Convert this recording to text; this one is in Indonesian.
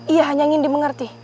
ia hanya ingin dimengerti